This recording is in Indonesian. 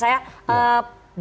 saya ingin bertanya